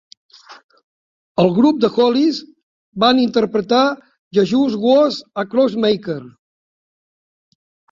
El grup The Hollies van interpretar "Jesus Was A Crossmaker".